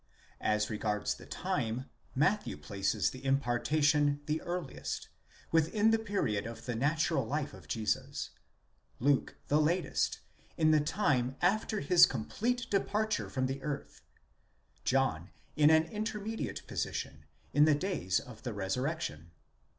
As regards the time, Matthew places the impartation the earliest—within the period of the natural life of Jesus ; Luke, the latest— in the time after his complete departure from the earth; John in an inter mediate position—in the days of the resurrection.